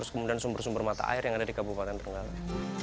kemudian sumber sumber mata air yang ada di kabupaten trenggala